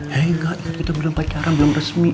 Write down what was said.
hei gak inget kita belum pacaran belum resmi